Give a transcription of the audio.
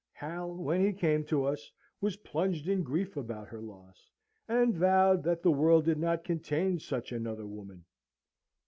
Hal, when he came to us, was plunged in grief about her loss; and vowed that the world did not contain such another woman.